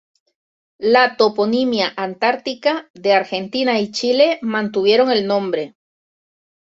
La toponimia antártica de Argentina y Chile mantuvieron el nombre.